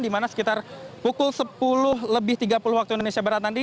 di mana sekitar pukul sepuluh lebih tiga puluh waktu indonesia barat nanti